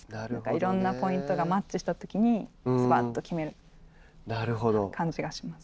いろんなポイントがマッチしたときにずばっと決める感じがします。